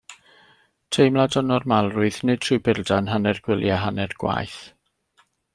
Teimlad o normalrwydd nid rhyw burdan hanner gwyliau hanner gwaith.